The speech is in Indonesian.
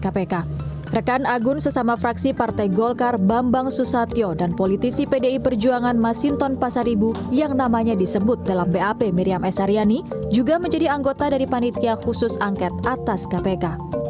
pemilkar bambang susatyo dan politisi pdi perjuangan masinton pasaribu yang namanya disebut dalam bap miriam s haryani juga menjadi anggota dari panitia khusus angket atas kpk